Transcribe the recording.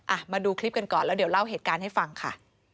มาดูคลิปกันก่อนแล้วเดี๋ยวเล่าเหตุการณ์ให้ฟังค่ะ